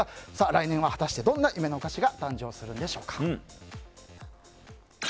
来年は果たしてどんな夢のお菓子が誕生するんでしょうか。